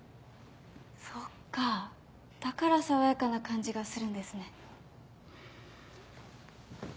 そっかだから爽やかな感じがするんですね。